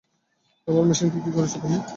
আমার মেশিনকে কী করেছ তুমি?